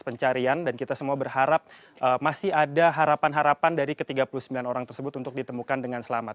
dan carian dan kita semua berharap masih ada harapan harapan dari ke tiga puluh sembilan orang tersebut untuk ditemukan dengan selamat